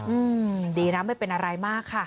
อืมดีนะไม่เป็นอะไรมากค่ะ